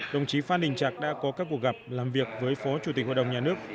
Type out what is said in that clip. đồng chí phan đình trạc đã có các cuộc gặp làm việc với phó chủ tịch hội đồng nhà nước